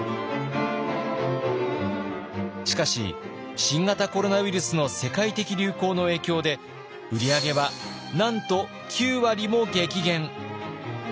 しかし新型コロナウイルスの世界的流行の影響で売り上げはなんと９割も激減。